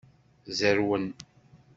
Zerwen.